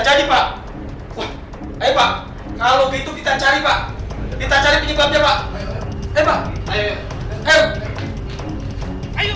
jadi pak wah ayo pak kalau begitu kita cari pak kita cari penyebabnya pak ayo pak ayo ayo